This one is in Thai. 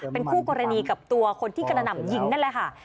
เป็นคู่กรณีกับตัวคนที่กระหน่ำยิงนั่นแหละค่ะ